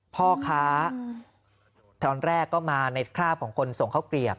พ่อค้าตอนแรกก็มาในคราบของคนส่งข้าวเกลียบ